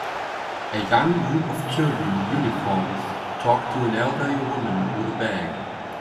A young group of children in uniforms talk to an elderly woman with a bag.